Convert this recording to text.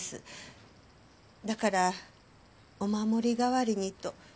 だからお守り代わりにと。